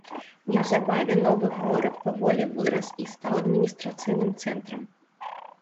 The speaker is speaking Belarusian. Неўзабаве новы горад паволі вырас і стаў адміністрацыйным цэнтрам.